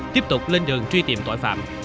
tiếp tục lên đường truy tìm tội phạm